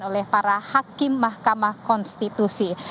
oleh para hakim mahkamah konstitusi